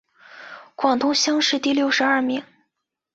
广东乡试第六十二名。